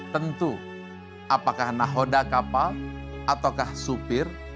tentu apakah nahoda kapal ataukah supir